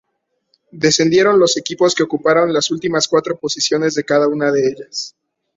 Descendieron los equipos que ocuparon las últimas cuatro posiciones de cada una de ellas.